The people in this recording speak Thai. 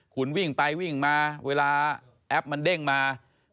คุณวิ่งไปวิ่งมาเวลาแอปมันเด้งมา